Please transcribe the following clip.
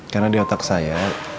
karena di otak saya